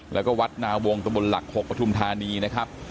แล้วก็วัดนาวงตะบนหลัก๖ปฐุมธานีนะครับ